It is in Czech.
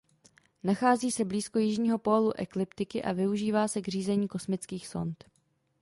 Nachází se blízko jižního pólu ekliptiky a využívá se k řízení kosmických sond.